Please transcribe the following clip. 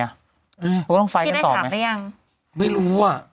เค้าก็ต้องไฟล์ตกต่อไหมพี่ได้ถามได้ยังไม่รู้อ่ะ